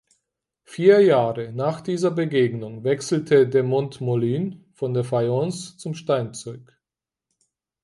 Vier Jahre nach dieser Begegnung wechselte de Montmollin von der Fayence zum Steinzeug.